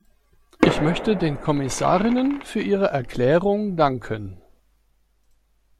Ich möchte den Kommissarinnen für ihre Erklärung danken.